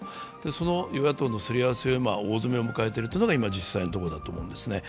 その与野党のすり合わせの大詰めを今、迎えているというのが実際のところだと思うんですね。